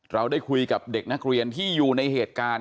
เราได้คุยกับเด็กนักเรียนที่อยู่ในเหตุการณ์